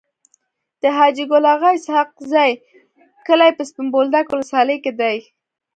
د حاجي ګل اغا اسحق زي کلی په سپين بولدک ولسوالی کي دی.